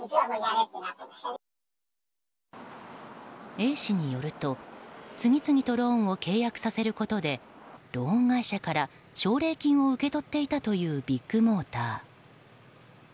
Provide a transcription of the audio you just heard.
Ａ氏によると次々とローンを契約させることでローン会社から奨励金を受け取っていたというビッグモーター。